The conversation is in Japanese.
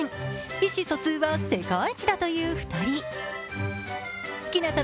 意思疎通は世界一だという２人。